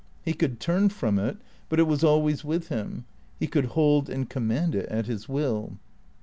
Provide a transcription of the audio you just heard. He could turn from it, but it was always with him; he could hold and command it at his will.